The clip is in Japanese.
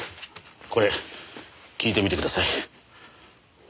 これ聞いてみてください。